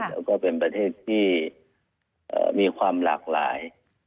แล้วก็เป็นประเทศที่มีความหลากหลาย